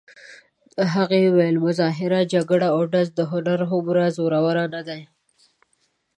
هغې ویل: مظاهره، جګړه او ډزې د هنر هومره زورور نه دي.